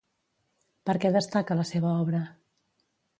Per què destaca la seva obra?